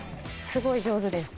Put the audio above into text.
すごい上手です。